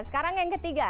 sekarang yang ketiga